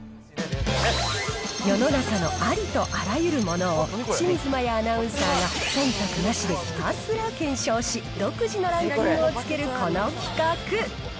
世の中のありとあらゆるものを、清水麻椰アナウンサーがそんたくなしでひたすら検証し、独自のランキングをつけるこの企画。